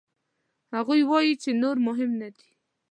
هغوی وايي چې نور مهم نه دي.